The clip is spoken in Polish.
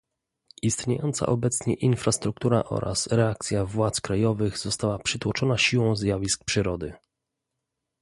Istniejąca obecnie infrastruktura oraz reakcja władz krajowych została przytłoczona siłą zjawisk przyrody